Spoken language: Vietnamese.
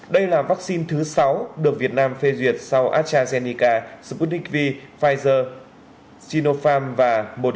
đây là vaccine thứ sáu được việt nam phê duyệt sau astrazeneca sputnik v pfizer sinopharm và moderna